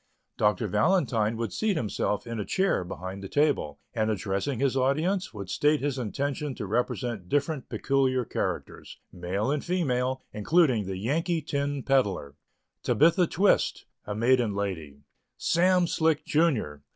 Dr. Valentine would seat himself in a chair behind the table, and addressing his audience, would state his intention to represent different peculiar characters, male and female, including the Yankee tin peddler; "Tabitha Twist," a maiden lady; "Sam Slick, Jr.